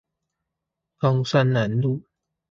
岡山南路